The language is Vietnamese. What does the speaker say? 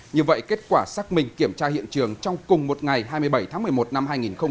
như vậy kết quả xác minh kiểm tra hiện trường trong cùng một ngày hai mươi bảy tháng một mươi một năm hai nghìn một mươi chín